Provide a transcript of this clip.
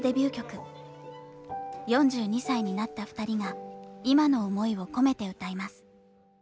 ４２歳になった２人が今の思いを込めて歌います。